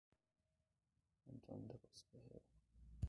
Antônio da Costa Ferreira